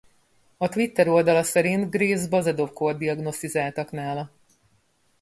A Twitter oldala szerint Graves-Basedow-kórt diagnosztizáltak nála.